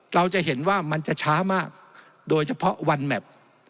เราจะเห็นว่ามันจะช้ามากโดยเฉพาะวันแมพ